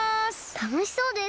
たのしそうです。